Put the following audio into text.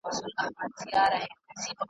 په ساتلو خوندي کیږي